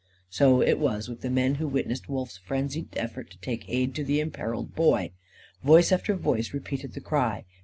So it was with the men who witnessed Wolf's frenzied effort to take aid to the imperilled Boy. Voice after voice repeated the cry.